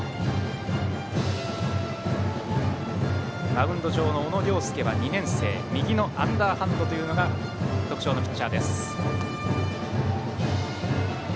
マウンド上の小野涼介は２年生右のアンダーハンドというのが特徴のピッチャーです。